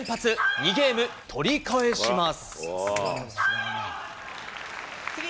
２ゲーム取り返します。